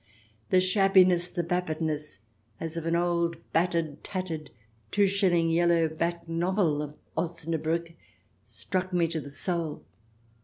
The shabbiness, the vapidness, as of an old, bat tered, tattered, two shilling, yellow back novel, of OsnabrUck struck me to the soul.